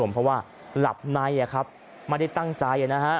เพราะหลับไหนน่าได้ตั้งใจ